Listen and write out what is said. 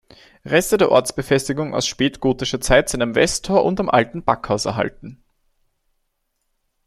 Reste der Ortsbefestigung aus spätgotischer Zeit sind am Westtor und am "Alten Backhaus" erhalten.